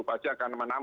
pasti akan menambah